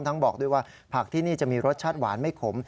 บอกด้วยว่าผักที่นี่จะมีรสชาติหวานไม่ขม